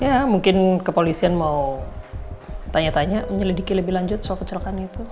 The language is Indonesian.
ya mungkin kepolisian mau tanya tanya menyelidiki lebih lanjut soal kecelakaan itu